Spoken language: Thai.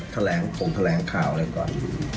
เปิดของแถลงข่าวอะไรก่อน